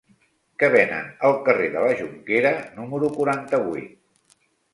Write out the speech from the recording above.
Què venen al carrer de la Jonquera número quaranta-vuit?